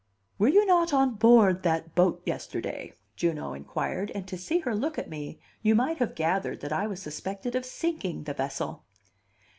"Were you not on board that boat yesterday?" Juno inquired; and to see her look at me you might have gathered that I was suspected of sinking the vessel.